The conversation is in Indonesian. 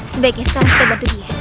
sebaiknya sekarang kita bantu dia